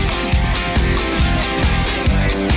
เฮ้ยยย